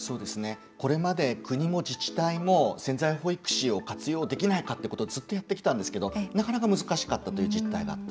これまで国も自治体も潜在保育士を活用できないかってずっとやってきたんですけどなかなか難しかったという実態があった。